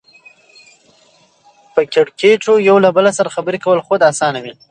په کېړکیچو یو له بله سره خبرې کول خود اسانه دي